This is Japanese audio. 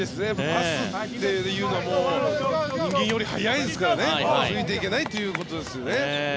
パスというのは人間より速いですからねついていけないということですよね。